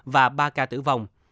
và ba ca tử vong